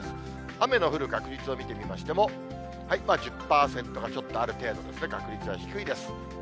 雨の降る確率を見てみましても、１０％がちょっとある程度ですね、確率は低いです。